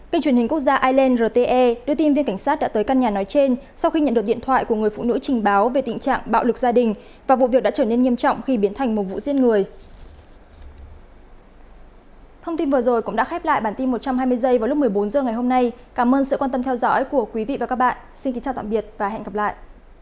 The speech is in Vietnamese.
kênh truyền hình quốc gia ireland rte đưa tin viên cảnh sát đã tới căn nhà nói trên sau khi nhận được điện thoại của người phụ nữ trình báo về tình trạng bạo lực gia đình và vụ việc đã trở nên nghiêm trọng khi biến thành một vụ giết người